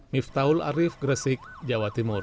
miftahul arief gresik jawa timur